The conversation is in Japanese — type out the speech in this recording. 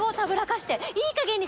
いいかげんにしなされ！